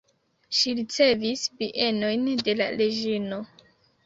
Ŝi ricevis bienojn de la reĝino.